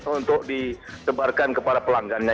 untuk disebarkan kepada pelanggannya